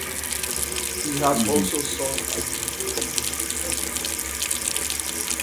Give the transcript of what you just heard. He has also sung at the Bayreuth Festival.